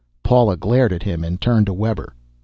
Paula glared at him and turned to Webber.